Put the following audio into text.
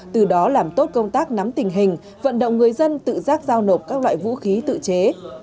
từ đó làm tốt công tác nắm tình hình vận động người dân tự giác giao nộp các loại vũ khí tự chế